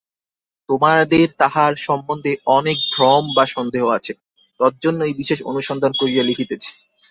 তোমাদের তাঁহার সম্বন্ধে অনেক ভ্রম বা সন্দেহ আছে, তজ্জন্যই বিশেষ অনুসন্ধান করিয়া লিখিতেছি।